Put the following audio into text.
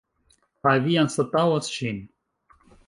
Kaj vi anstataŭas ŝin.